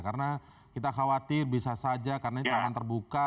karena kita khawatir bisa saja karena ini taman terbuka